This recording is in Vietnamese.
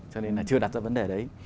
cho nên là chưa đặt ra vấn đề đấy